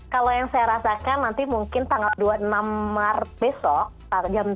kalau yang saya rasakan nanti mungkin tanggal dua puluh enam maret besok jam tiga